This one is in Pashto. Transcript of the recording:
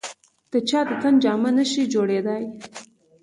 د چا د تن جامه نه شي جوړېدای.